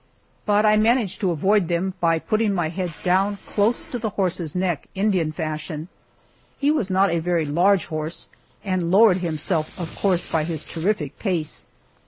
But I managed to avoid them by putting my head down close to the horse's neck, Indian fashion. He was not a very large horse, and lowered himself, of course, by his terrific pace.